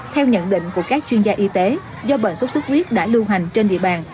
theo nhận định của các chuyên gia y tế do bệnh xuất xuất huyết đã lưu hành trên địa bàn